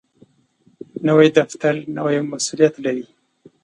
نوی دفتر نوی مسؤولیت لري